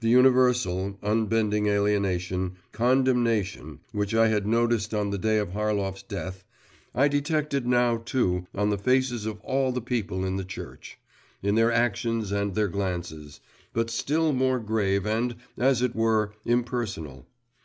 The universal, unbending alienation, condemnation, which I had noticed on the day of Harlov's death, I detected now too on the faces of all the people in the church, in their actions and their glances, but still more grave and, as it were, impersonal.